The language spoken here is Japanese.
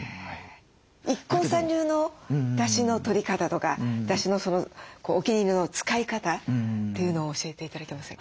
ＩＫＫＯさん流のだしのとり方とかだしのお気に入りの使い方というのを教えて頂けませんか。